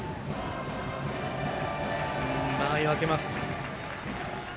間合いをあけます。